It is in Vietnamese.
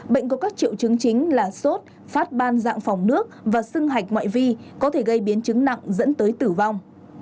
bệnh có các triệu chứng chính là sốt phát ban dạng phòng nước và sưng hạch ngoại vi có thể gây biến chứng nặng dẫn tới tử vong